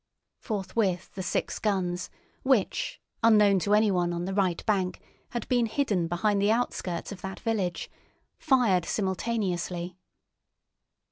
Forthwith the six guns which, unknown to anyone on the right bank, had been hidden behind the outskirts of that village, fired simultaneously.